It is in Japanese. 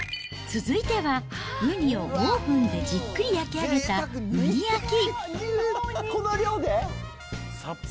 続いては、ウニをオーブンでじっくり焼き上げたうに焼き。